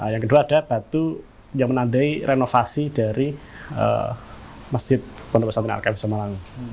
yang kedua ada batu yang menandai renovasi dari masjid pondok pesantren alkafi samarang